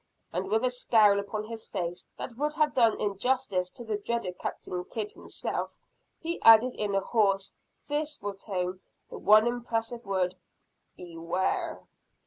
And with a scowl upon his face, that would not have done injustice to the dreaded Captain Kidd himself, he added in a hoarse, fierce tone the one impressive word "Beware!"